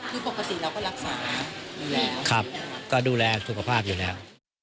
คือปกติเราก็รักษาอยู่แล้วครับก็ดูแลสุขภาพอยู่แล้ว